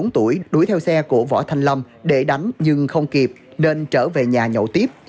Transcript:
một mươi bốn tuổi đuổi theo xe của võ thanh lâm để đánh nhưng không kịp nên trở về nhà nhậu tiếp